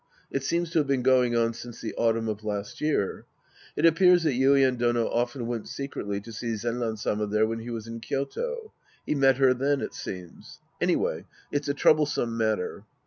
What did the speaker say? It seems to have been going on since the autumn of last year. It appears that Yuien Dono often went secretly to see Zenran Sama there when he was in Kyoto. He met her then, it seems. Anyway, it's a troublesome matter.